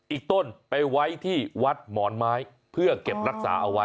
อีกต้นไปไว้ที่วัดหมอนไม้เพื่อเก็บรักษาเอาไว้